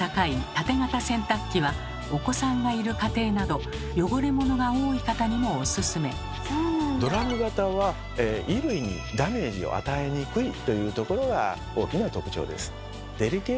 タテ型洗濯機はお子さんがいる家庭などドラム型は衣類にダメージを与えにくいというところが大きな特徴です。